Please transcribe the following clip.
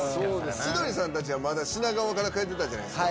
千鳥さんたちは品川から帰ってたじゃないですか。